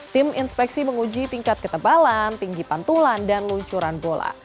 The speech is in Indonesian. tim inspeksi menguji tingkat ketebalan tinggi pantulan dan luncuran bola